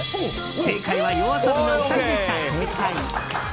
正解はＹＯＡＳＯＢＩの２人でした。